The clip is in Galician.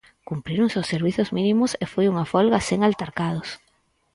Cumpríronse os servizos mínimos e foi unha folga sen altercados.